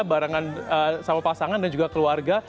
barengan sama pasangan dan juga keluarga